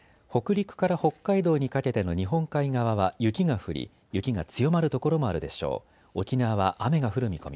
北陸から北海道にかけての日本海側は雪が降り雪が強まる所もあるでしょう。